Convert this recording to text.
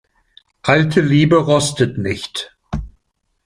Alte Liebe rostet nicht.